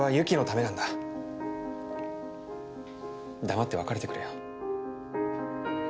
黙って別れてくれよ。